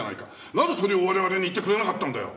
なぜそれを我々に言ってくれなかったんだよ！